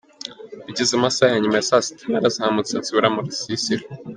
Bigeze mu masaha ya nyuma ya saa sita narazamutse nsubira mu rusisiro.